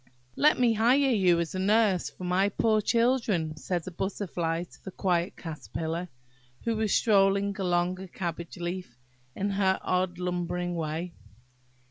"LET me hire you as a nurse for my poor children," said a Butterfly to a quiet Caterpillar, who was strolling along a cabbage leaf in her odd lumbering way.